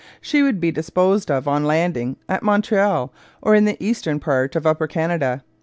She would be disposed of on landing, at Montreal or in the eastern part of Upper Canada.